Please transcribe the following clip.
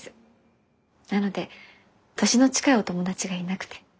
なので年の近いお友達がいなくて。